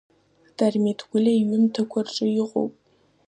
Дырмит Гәлиа иҩымҭақәа рҿы иҟоуп.